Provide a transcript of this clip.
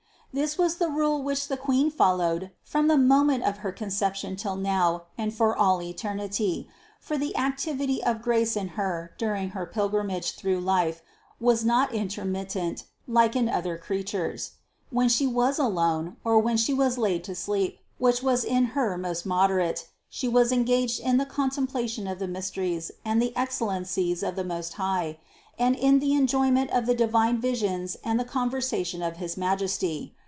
This was the rule which the Queen followed from the moment of her Conception till now and for all eternity ; for the activity of grace in Her during Her pil grimage through life was not intermittent, like in other creatures. When She was alone, or when She was laid to sleep, which was in Her most moderate, She was en gaged in the contemplation of the mysteries and the ex cellencies of the Most High, and in the enjoyment of the divine visions and the conversation of his Majesty.